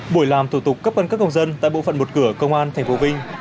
buổi làm thủ tục cấp căn cước công dân tại bộ phận một cửa công an tp vinh